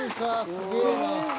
すげえな。